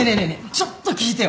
ちょっと聞いてよ！